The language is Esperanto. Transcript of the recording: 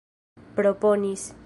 proponis